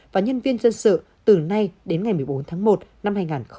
và nhân viên dân sự từ nay đến ngày một mươi bốn tháng một năm hai nghìn hai mươi